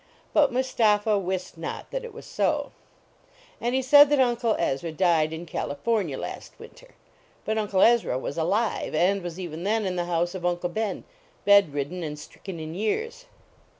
But Mustapha wist not that it was so. And he said that Uncle K/ra died in California last winter. But Un Ezra was alive, and was even then in the house of Uncle Ben. br.l ridden and trickcn in years.